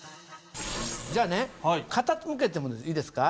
じゃあね傾けてもいいですか？